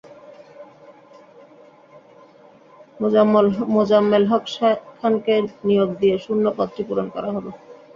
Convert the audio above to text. মোজাম্মেল হক খানকে নিয়োগ দিয়ে শূন্য পদটি পূরণ করা হলো।